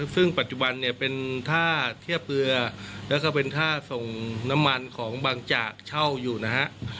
ซึ่งปัจจุบันเนี่ยเป็นท่าเทียบเรือแล้วก็เป็นท่าส่งน้ำมันของบางจากเช่าอยู่นะฮะ